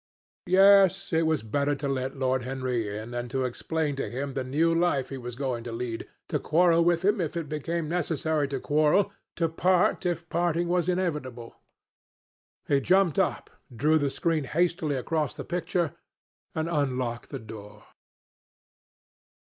Yes, it was better to let Lord Henry in, and to explain to him the new life he was going to lead, to quarrel with him if it became necessary to quarrel, to part if parting was inevitable. He jumped up, drew the screen hastily across the picture, and unlocked the door.